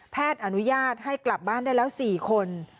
อนุญาตให้กลับบ้านได้แล้ว๔คน